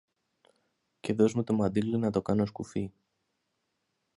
και δωσ' μου το μαντίλι να το κάνω σκουφί.